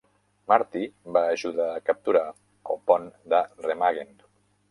Marty va ajudar a capturar el pont de Remagen.